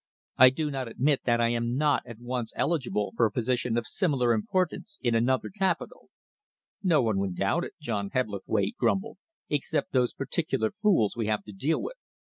I do not admit that I am not at once eligible for a position of similar importance in another capital." "No one would doubt it," John Hebblethwaite grumbled, "except those particular fools we have to deal with.